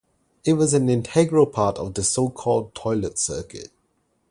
It was an integral part of the so-called toilet circuit.